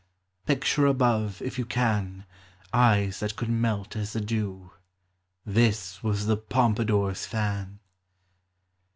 Picture above, if you can, Eyes that could melt as the dew, — This was the Pompadour's fan